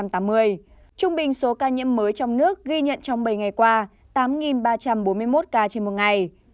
trung bình số ca nhiễm mới trong nước ghi nhận trong bảy ngày qua tám ba trăm bốn mươi một ca trên một ngày